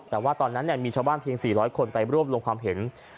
แต่ว่าตอนนั้นมีชาวบ้านเพียง๔๐๐คนไปร่วมลงความเห็น